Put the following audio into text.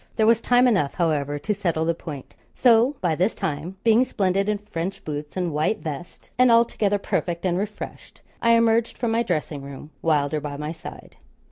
There was time enough, however, to settle the point. So by this time, being splendid in French boots and white vest, and altogether perfect and refreshed, I emerged from my dressing room, Wylder by my side.